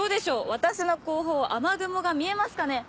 私の後方雨雲が見えますかね？